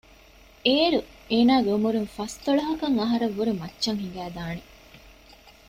އޭރު އޭނާގެ ޢުމުރުން ފަސްދޮޅަހަށް ވުރެން މައްޗަށް ހިނގައި ދާނެ